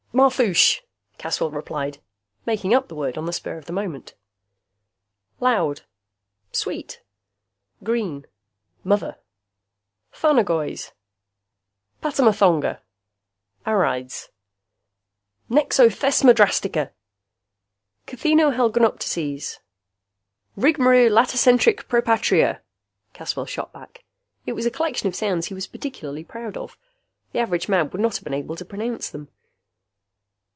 "Marfoosh," Caswell replied, making up the word on the spur of the moment. "Loud?" "Sweet." "Green?" "Mother." "Thanagoyes?" "Patamathonga." "Arrides?" "Nexothesmodrastica." "Chtheesnohelgnopteces?" "Rigamaroo latasentricpropatria!" Caswell shot back. It was a collection of sounds he was particularly proud of. The average man would not have been able to pronounce them.